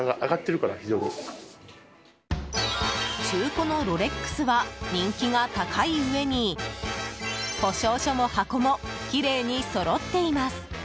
中古のロレックスは人気が高いうえに保証書も箱もきれいにそろっています。